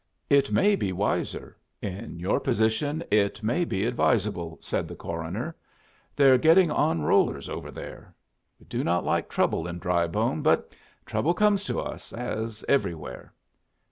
"It may be wiser. In your position it may be advisable," said the coroner. "They're getting on rollers over there. We do not like trouble in Drybone, but trouble comes to us as everywhere."